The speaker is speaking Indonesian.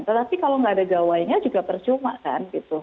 tetapi kalau tidak ada gawainya juga percuma kan